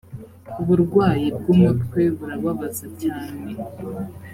uburwayi bwu mutwe burababaza cyane